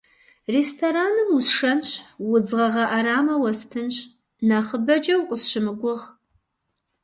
Рестораным усшэнщ, удз гъэгъа ӏэрамэ уэстынщ, нэхъыбэкӏэ укъысщымыгугъ.